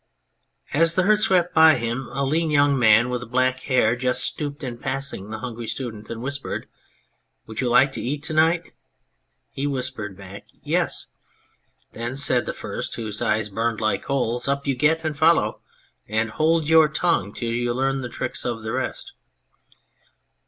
As the Herd swept by him a lean young man with black hair just stooped in passing the Hungry Student and whispered : "Would you like to eat to night?" He whispered back " Yes." " Then," said the first, whose eyes burned like coals, " up you get and follow, and hold your tongue until you learn the tricks of the rest."